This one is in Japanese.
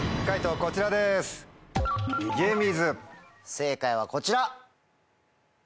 正解はこちら。